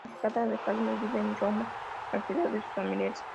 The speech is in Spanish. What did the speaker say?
Aquejada de alzheimer vive en Roma al cuidado de sus familiares.